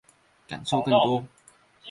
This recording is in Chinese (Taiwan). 感受更多